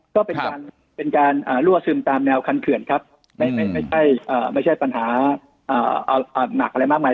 ก็เป็นการรั่วซึมตามแนวคันเขื่อนครับไม่ใช่ปัญหาหนักอะไรมากมาย